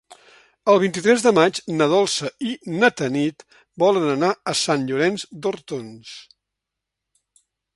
El vint-i-tres de maig na Dolça i na Tanit volen anar a Sant Llorenç d'Hortons.